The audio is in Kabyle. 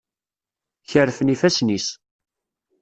Kerfen yifassen-is.